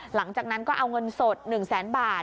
หลังจากนั้นก็เอาเงินสด๑แสนบาท